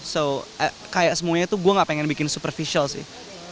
so kayak semuanya tuh gue gak pengen bikin superficial sih